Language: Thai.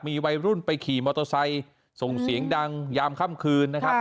มีวัยรุ่นไปขี่มอเตอร์ไซค์ส่งเสียงดังยามค่ำคืนนะครับ